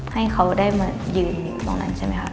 ให้เขาได้มายืนอยู่ตรงนั้นใช่ไหมคะ